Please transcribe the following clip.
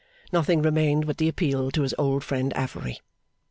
Nothing remained but the appeal to his old friend Affery.